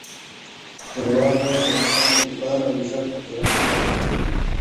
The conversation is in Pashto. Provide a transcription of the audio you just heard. درواغ ویل د انسان اعتبار او عزت په ټولنه کې له منځه وړي.